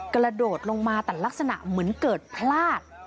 กระโดดลงมาแต่ลักษณะเหมือนเกิดพลาด